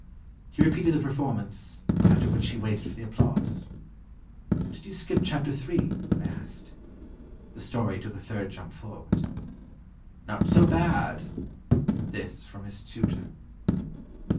He repeated the performance; after which he waited for the applause. "Did you skip chapter ni?" I asked. The story took a third jump forward. "Not so bad!" This from his tutor.